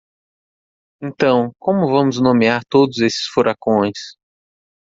Então, como vamos nomear todos esses furacões?